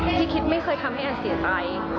ที่คิดไม่เคยทำให้แอนเสียใจ